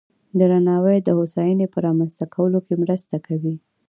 درناوی د هوساینې په رامنځته کولو کې مرسته کوي.